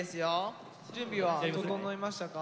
準備は整いましたか？